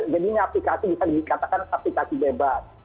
jadinya aplikasi bisa dikatakan aplikasi bebas